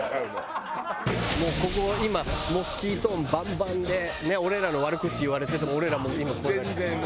もうここ今モスキート音バンバンで俺らの悪口言われてても俺らもう今こうだから。